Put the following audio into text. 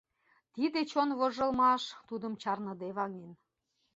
Тиде чон вожылмаш тудым чарныде ваҥен.